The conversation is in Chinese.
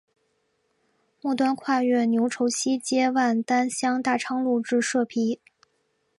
末端跨越牛稠溪接万丹乡大昌路至社皮。